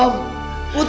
om gak liat